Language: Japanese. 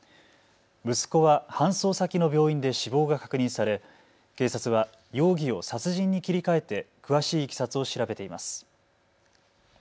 息子は搬送先の病院で死亡が確認され警察は容疑を殺人に切り替えて詳しいいきさつを調べています。